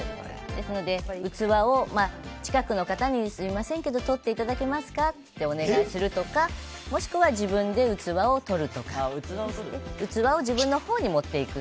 ですので器を近くの方にすみませんけど取っていただけませんかとお願いするとかもしくは自分で器を取るとか器を自分のほうに持っていく。